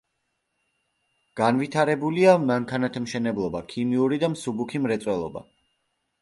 განვითარებულია მანქანათმშენებლობა, ქიმიური და მსუბუქი მრეწველობა.